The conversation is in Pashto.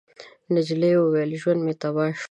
نجلۍ وويل: ژوند مې تباه شو.